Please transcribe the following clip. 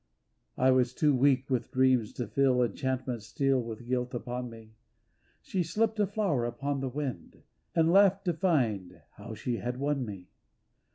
I was too weak with dreams to feel Enchantment steal with guilt upon me, She slipped, a flower upon the wind. And laughed to find how she had won me.